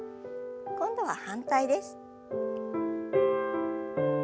今度は反対です。